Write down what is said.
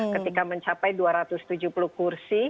ketika mencapai dua ratus tujuh puluh kursi